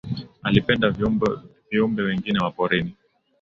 Alipenda viumbe wengine wa porini